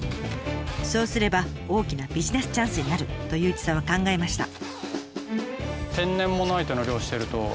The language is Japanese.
そうすれば大きなビジネスチャンスになると祐一さんは考えました。